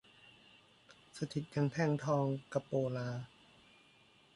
สถิตย์ยังแท่นทองกะโปลา